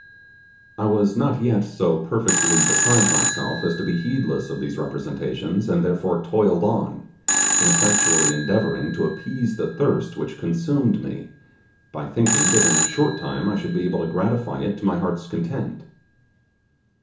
I was not yet so perfectly beside myself as to be heedless of these representations, and therefore toiled on, ineffectually endeavouring to appease the thirst which consumed me, by thinking that in a short time I should be able to gratify it to my heart's content.